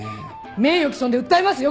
名誉毀損で訴えますよ